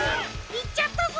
いっちゃったぞ！